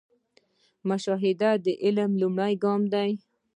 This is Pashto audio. مشاهده د علم لومړی ګام دی